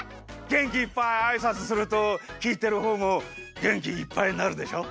げんきいっぱいあいさつするときいてるほうもげんきいっぱいになるでしょ？